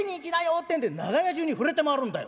ってんで長屋中に触れて回るんだよ。